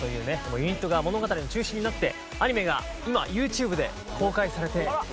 ユニットが物語の中心になってアニメが今ＹｏｕＴｕｂｅで公開されておりますので。